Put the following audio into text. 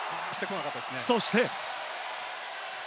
そして。